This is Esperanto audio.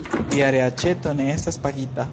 Via reaĉeto ne estas pagita.